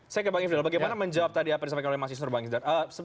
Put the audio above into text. saya ke bang isdal bagaimana menjawab tadi apa yang disampaikan oleh mas isdal